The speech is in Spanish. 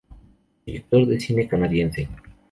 Director de cine Canadiense.